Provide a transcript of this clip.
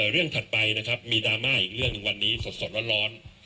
เรื่องถัดไปนะครับมีดราม่าอีกเรื่องวันนี้สดว่าร้อน